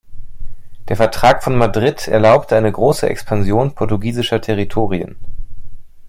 Der Vertrag von Madrid erlaubte eine große Expansion portugiesischer Territorien.